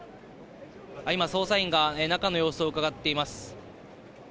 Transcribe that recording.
今、捜査員が中の様子をうかがっています。